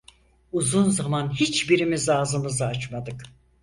Uzun zaman hiçbirimiz ağzımızı açmadık.